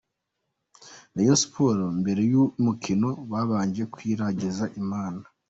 Rayon Sports mbere y'umukino babanje kwiragiza Imana.